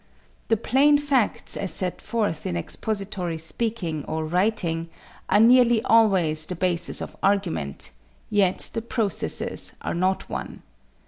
The plain facts as set forth in expository speaking or writing are nearly always the basis of argument, yet the processes are not one.